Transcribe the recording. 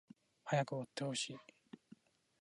早く終わってほしい